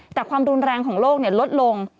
แต่ความรุนแรงของโรคเนี่ยลดลง